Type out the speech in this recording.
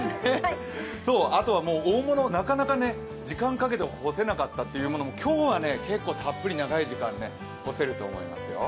あとは大物、なかなか時間かけて干せなかったというものも今日は結構たっぷり長い時間干せると思いますよ。